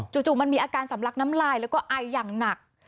จู่มันมีอาการสำลักน้ำลายแล้วก็ไออย่างหนัก